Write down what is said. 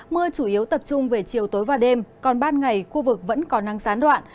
mưa chủ yếu tập trung về chiều tối và đêm còn ban ngày khu vực vẫn có năng sán đoạn